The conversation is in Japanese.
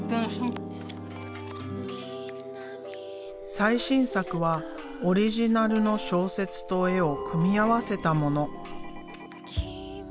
最新作はオリジナルの小説と絵を組み合わせたもの。